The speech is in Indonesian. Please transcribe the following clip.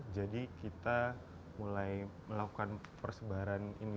jadi kita mulai melakukan persebaran ini